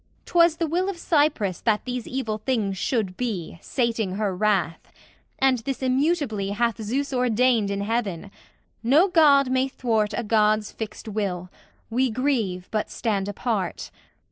'Twas the will Of Cypris that these evil things should be, Sating her wrath. And this immutably Hath Zeus ordained in heaven: no God may thwart A God's fixed will; we grieve but stand apart.